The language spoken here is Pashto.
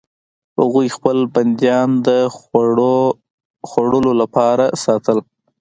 هغوی خپل بندیان د خوړلو لپاره ساتل.